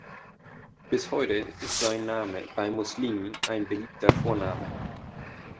Bis heute ist sein Name bei Muslimen ein beliebter Vorname.